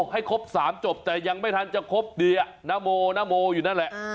ให้ครบ๓จบแต่ยังไม่ทันจะครบเดียนโมนโมอยู่นั่นแหละ